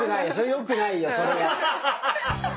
よくないよそれは。